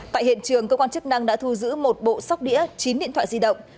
tại hiện trường cơ quan chức năng đã thu giữ một bộ sóc đĩa chín điện thoại di động